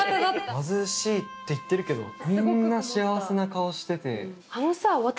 貧しいって言ってるけどみんな幸せな顔してて。